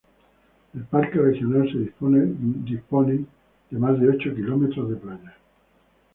El Parque Regional dispone de más de ocho kilómetros de playas.